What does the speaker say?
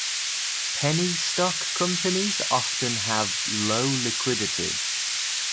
Penny stock companies often have low liquidity.